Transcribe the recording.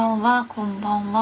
こんばんは。